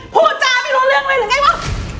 พูดจาไม่รู้เรื่องเลยหรือไงวะ